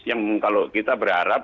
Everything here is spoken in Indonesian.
yang kalau kita berharap